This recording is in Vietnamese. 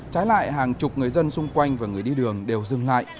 trái lại hàng chục người dân xung quanh và người đi đường đều dừng lại